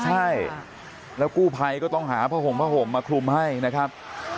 ใช่แล้วกู้ภัยก็ต้องหาผ้าห่มผ้าห่มมาคลุมให้นะครับ